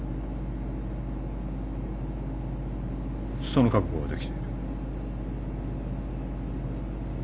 その覚悟はできている。